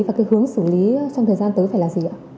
và cái hướng xử lý trong thời gian tới phải là gì ạ